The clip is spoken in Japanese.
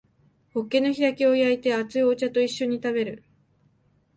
ホッケの開きを焼いて熱いお茶と一緒に食べる